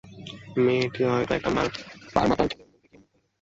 মেয়েটি হয়তো একটি পাঁড়-মাতাল ছেলের মুখ দেখিয়া মুগ্ধ হইল।